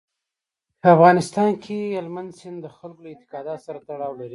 په افغانستان کې هلمند سیند د خلکو له اعتقاداتو سره تړاو لري.